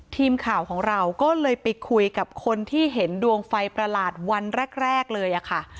ทีมข่าวของเราก็เลยไปคุยกับคนที่เห็นดวงไฟประหลาดวันแรกเลยค่ะ